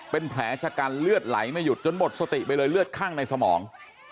เป็นแผลชะกันเลือดไหลไม่หยุดจนหมดสติไปเลยเลือดข้างในสมอง